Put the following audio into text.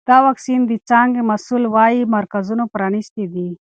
د واکسین د څانګې مسؤل وایي مرکزونه پرانیستي دي.